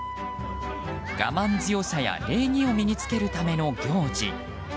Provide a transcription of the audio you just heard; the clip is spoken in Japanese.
我慢強さや礼儀を身に着けるための行事。